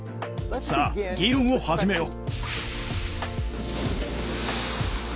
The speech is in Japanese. さあ議論を始めよう。